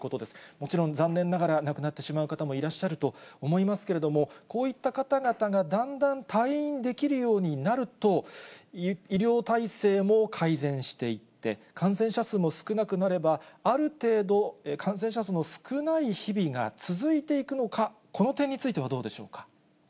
もちろん、残念ながら亡くなってしまう方もいらっしゃると思いますけれども、こういった方々がだんだん退院できるようになると、医療体制も改善していって、感染者数も少なくなれば、ある程度、感染者数も少ない日々が続いていくのか、この点についてはどうでしょうか。